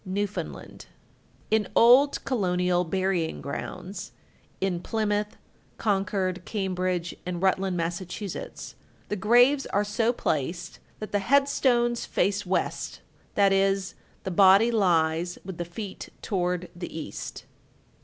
Newfoundland. 1241. In old colonial burying grounds in Plymouth, Concord, Cambridge, and Rutland, Mass. the graves are so placed that the headstones face west, that is, the body lies with the feet toward the east.